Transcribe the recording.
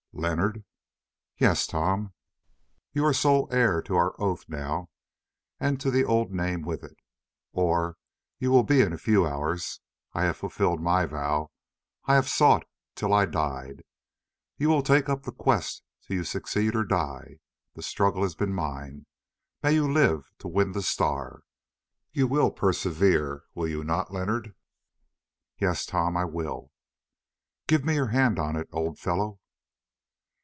"Leonard." "Yes, Tom?" "You are sole heir to our oath now, and to the old name with it, or you will be in a few hours. I have fulfilled my vow. I have sought till I died. You will take up the quest till you succeed or die. The struggle has been mine, may you live to win the Star. You will persevere, will you not, Leonard?" "Yes, Tom, I will." "Give me your hand on it, old fellow."